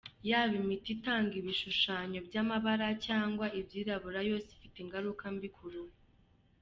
Yaba imiti itanga ibishushanyo by’amabara cyangwa ibyirabura, yose ifite ingaruka mbi ku ruhu.